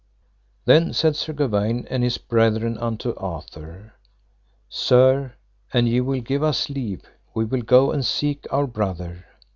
Then said Sir Gawaine and his brethren unto Arthur, Sir, an ye will give us leave, we will go and seek our brother.